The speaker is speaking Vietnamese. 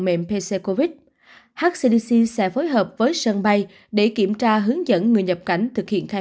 mệnh pcr covid hcdc sẽ phối hợp với sân bay để kiểm tra hướng dẫn người nhập cảnh thực hiện khai